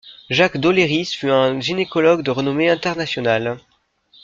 Jacques Doléris fut un gynécologue de renommée internationale.